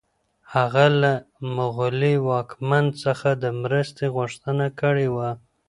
هغه له مغلي واکمن څخه د مرستې غوښتنه کړې وه.